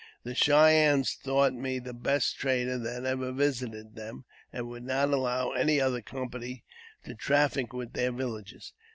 The Cheyennes thought me the best trader that ever visited them, and would not allow any other company to traffic with their villages.